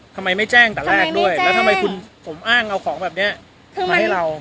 ทำไมไม่แจ้งแต่แรกด้วยแล้วทำไมคุณผมอ้างเอาของแบบนี้มาให้เรา